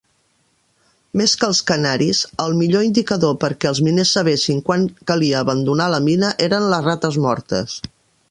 Més que els canaris, el millor indicador perquè els miners sabessin quan calia abandonar la mina eren les rates mortes.